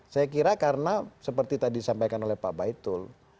saya kira karena seperti tadi disampaikan oleh pak baitul